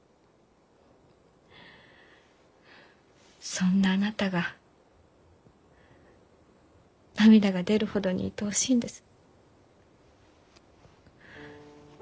そんなあなたが涙が出るほどにいとおしいんです。